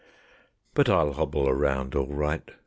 But I'll hobble around all right.